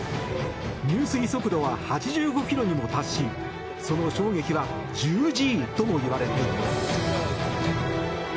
入水速度は８５キロにも達しその衝撃は１０Ｇともいわれています。